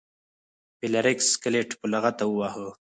فلیریک سکلیټ په لغته وواهه.